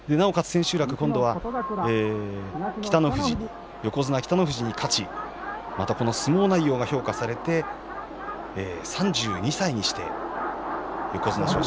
千秋楽、今度は横綱北の富士に勝ちまた相撲内容が評価されて３２歳にして横綱昇進。